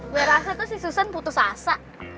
gue rasa tuh si susan putus asa